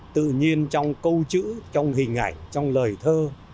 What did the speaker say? tự nhiên trong câu chữ trong hình ảnh trong lời thơ